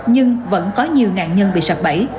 nhưng vẫn có nhiều nạn nhân bị sập bẫy